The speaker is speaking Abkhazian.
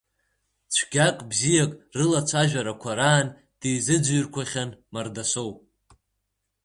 Цәгьак-бзиак рылацәажәарақәа раан дизыӡырҩқәахьан Мардасоу.